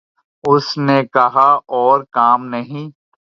اس نے کہا اور کام نہیں